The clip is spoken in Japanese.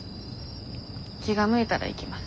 気が向いたら行きます。